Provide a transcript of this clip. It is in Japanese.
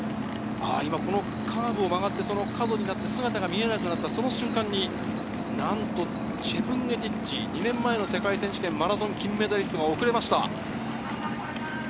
このカーブを曲がって角になって姿が見えなくなった、その瞬間に２年前の世界選手権マラソン金メダリストが遅れました。